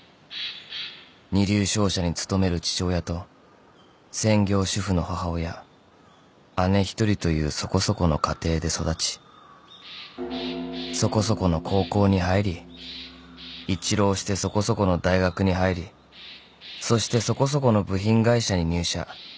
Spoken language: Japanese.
［二流商社に勤める父親と専業主婦の母親姉１人というそこそこの家庭で育ちそこそこの高校に入り１浪してそこそこの大学に入りそしてそこそこの部品会社に入社］